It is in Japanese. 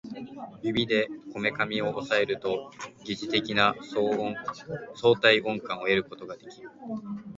指でこめかみを抑えると疑似的な相対音感を得ることができる